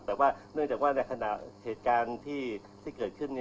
แต่ว่าเนื่องจากว่าในขณะเหตุการณ์ที่เกิดขึ้น